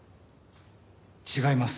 違います。